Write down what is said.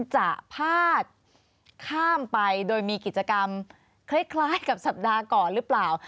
จะพาดข้ามไปโดยมีกิจกรรมคล้ายกับสัปดาห์ก่อนหรือเปล่า